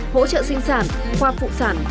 hỗ trợ sinh sản khoa phụ sản